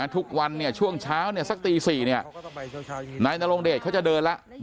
ทุกวันช่วงเช้าสักตี๔นายนรงเดชเขาจะเดินแล้ว